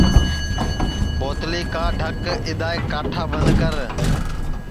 ٻوتلی کا ڈھک اِدؔائے کاٹھا بند کر